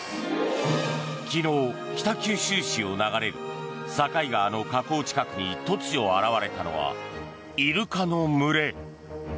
昨日、北九州市を流れる境川の河口近くに突如現れたのはイルカの群れ。